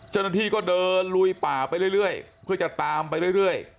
เจ้าหน้าที่ก็เดินลุยป่าไปเรื่อยเพื่อจะตามไปเรื่อย